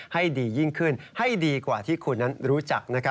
ให้ดียิ่งขึ้นให้ดีกว่าที่คุณรู้จักนะครับ